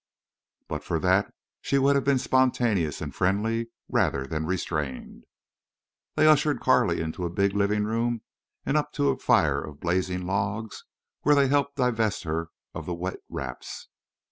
But for that she would have been spontaneous and friendly rather than restrained. They ushered Carley into a big living room and up to a fire of blazing logs, where they helped divest her of the wet wraps.